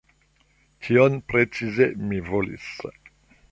tion precize mi volis.